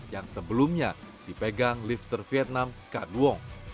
yang sebelumnya dipegang lifter vietnam khad wong